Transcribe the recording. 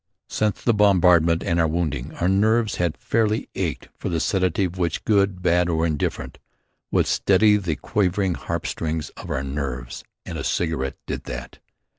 Since the bombardment and our wounding, our nerves had fairly ached for the sedative which, good, bad or indifferent, would steady the quivering harp strings of our nerves. And a cigarette did that.